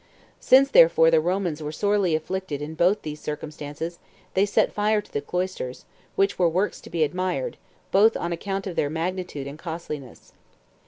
3. Since therefore the Romans were sorely afflicted by both these circumstances, they set fire to the cloisters, which were works to be admired, both on account of their magnitude and costliness.